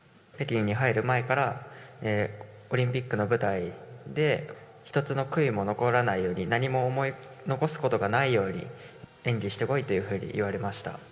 北京に入る前から、オリンピックの舞台で一つの悔いも残らないように、何も思い残すことがないように、演技してこいというふうに言われました。